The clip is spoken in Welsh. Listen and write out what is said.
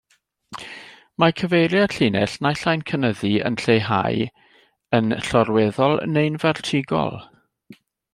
Mae cyfeiriad llinell naill ai'n cynyddu, yn lleihau, yn llorweddol neu'n fertigol.